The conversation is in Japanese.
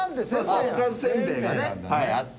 草加せんべいがねあって。